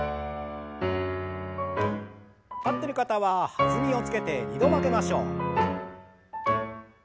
立ってる方は弾みをつけて２度曲げましょう。